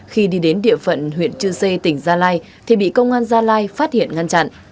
khi đi đến địa phận huyện chư sê tỉnh gia lai thì bị công an gia lai phát hiện ngăn chặn